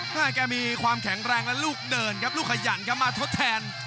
แกมีความแข็งแรงและลูกเดินครับลูกขยันครับมาทดแทน